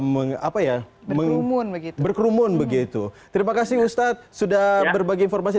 mengapa ya mengumum begitu berkerumun begitu terima kasih ustadz sudah berbagi informasi